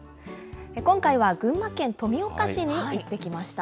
今回は群馬県富岡市に行ってきました。